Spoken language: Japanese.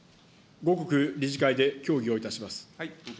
後刻、理事会で協議をいたします。